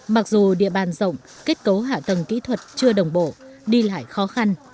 mặc dù địa bàn rộng kết cấu hạ tầng kỹ thuật chưa đồng bộ đi lại khó khăn